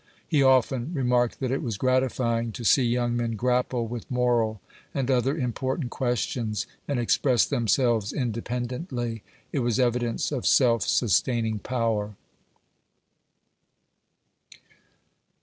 He often re marked that it was gratifying to see young men grapple with moral and other important questions, and express themselves independently ; it was evidence of self sustaining power.